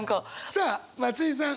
さあ松居さん